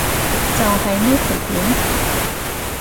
就係呢條片？